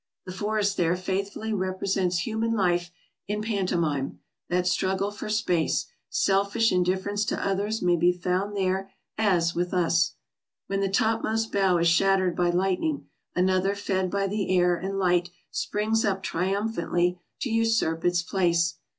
The forest there faithfully represents human life in panto mime— that struggle for space — selfish indifference to others vol. vi. — 23 340 TRAVELERS AND EXPLORERS may be found there as with us. When the topmost bough is shattered by lightning, another fed by the air and light springs up triumphantly to usurp its place.